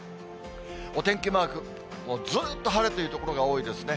お天気マーク、もうずっと晴れという所が多いですね。